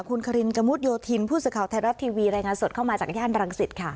คุณคารินกระมุดโยธินผู้สื่อข่าวไทยรัฐทีวีรายงานสดเข้ามาจากย่านรังสิตค่ะ